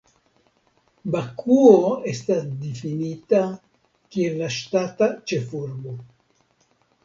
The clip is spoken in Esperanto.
Bakuo estas difinita kiel la ŝtata ĉefurbo.